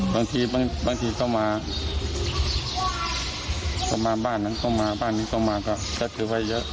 บางทีก็มาบ้านนั้นก็มาบ้านนี้ก็มาก็จะถือไว้เยอะ